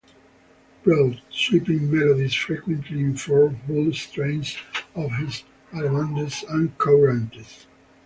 Broad, sweeping melodies frequently inform whole strains of his allemandes and courantes.